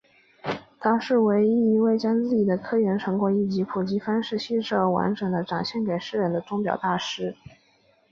他是唯一一位将自己的科研成果以普及方式细致而完整地展现给世人的钟表大师。